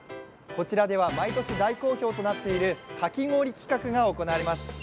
こちらでは毎年大好評となっているかき氷企画が行われます。